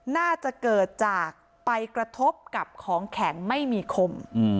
น่าจะเกิดจากไปกระทบกับของแข็งไม่มีคม